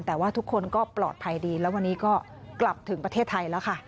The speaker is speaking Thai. แต่ว่าทุกคนก็ปลอดภัยดีแล้ววันนี้ก็กลับถึงประเทศไทยแล้วค่ะ